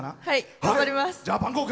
頑張ります。